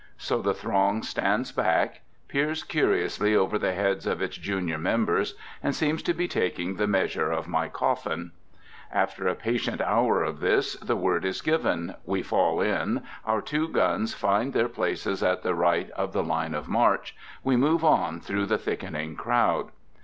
So the throng stands back, peers curiously over the heads of its junior members, and seems to be taking the measure of my coffin. After a patient hour of this, the word is given, we fall in, our two guns find their places at the right of the line of march, we move on through the thickening crowd.